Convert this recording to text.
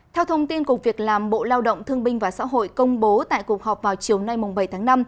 theo thông tin của việc làm bộ lao động thương binh và xã hội công bố tại cuộc họp vào chiều nay bảy tháng năm